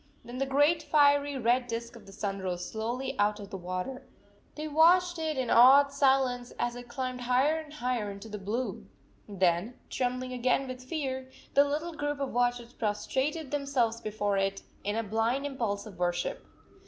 Then the great fiery red disk of the sun rose slowly out of the water ! They watched it in awed silence as it climbed higher and higher into the blue. Then, trembling again with fear, the little group of watchers prostrated themselves before it in a blind impulse of worship.